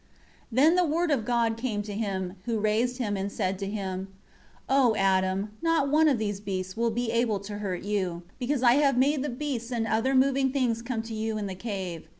Then the Word of God came to him, who raised him, and said to him, 4 "O Adam, not one of these beasts will be able to hurt you; because I have made the beasts and other moving things come to you in the cave.